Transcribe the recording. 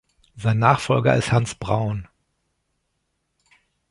Sein Nachfolger ist Hans Braun.